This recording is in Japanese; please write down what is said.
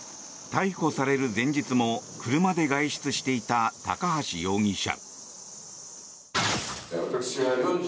逮捕される前日も車で外出していた高橋容疑者。